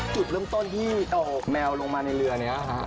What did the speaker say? จุดเริ่มต้นที่เอาแมวลงมาในเรือนี้ฮะ